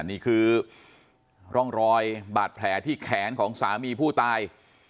นี่คือร่องรอยบาดแผลที่แขนของสามีผู้ตาย